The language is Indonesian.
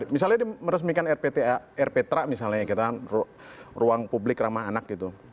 misalnya dia meresmikan rptra misalnya kita ruang publik ramah anak gitu